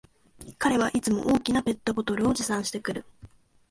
彼はいつも大きなペットボトルを持参してくる